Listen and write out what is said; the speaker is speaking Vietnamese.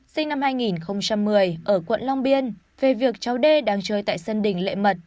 sinh năm hai nghìn một mươi ở quận long biên về việc cháu đê đang chơi tại sân đỉnh lệ mật